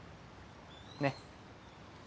ねっ。